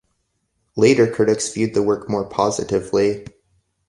Later critics viewed the work more positively.